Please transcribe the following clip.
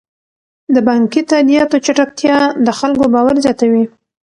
د بانکي تادیاتو چټکتیا د خلکو باور زیاتوي.